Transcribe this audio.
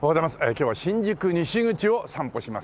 今日は新宿西口を散歩します。